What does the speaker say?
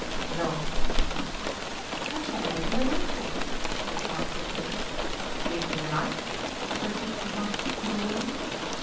"No!" said the master. "That's what I gave you the knife for!" said the child, quickly. "Gave me the knife?" repeated the master, in bewilderment.